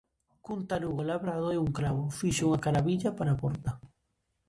Cun tarugo labrado e un cravo, fixo unha caravilla para a porta.